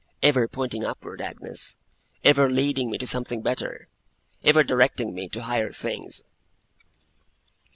Ever pointing upward, Agnes; ever leading me to something better; ever directing me to higher things!